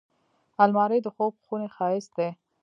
الماري د خوب خونې ښايست دی